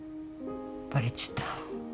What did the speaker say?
バレちゃった。